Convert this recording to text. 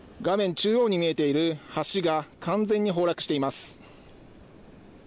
中央に見えている橋が完全に崩落しています。